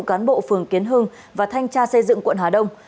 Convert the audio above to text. cán bộ phường kiến hưng và thanh tra xây dựng quận hà đông